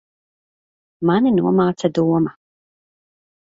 Mani nomāca doma.